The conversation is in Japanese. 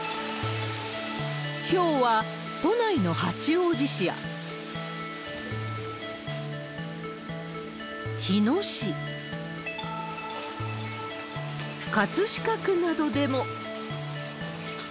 ひょうは都内の八王子市や、日野市、葛飾区などでも。